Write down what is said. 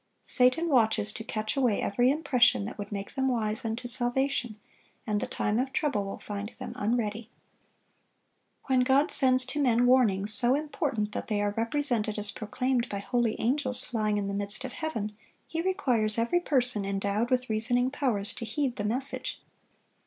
Satan watches to catch away every impression that would make them wise unto salvation, and the time of trouble will find them unready. When God sends to men warnings so important that they are represented as proclaimed by holy angels flying in the midst of heaven, He requires every person endowed with reasoning powers to heed the message.